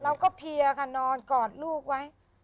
เราก็เพียค่ะนอนกอดลูกไว้